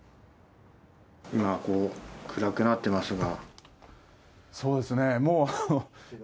今、暗くなってますが。